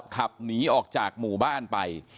ขับหนีออกจากหมู่บ้านไป